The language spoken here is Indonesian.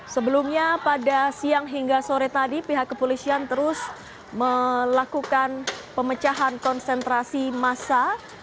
sebelumnya pada siang hingga sore tadi pihak kepolisian terus melakukan pemecahan konsentrasi massa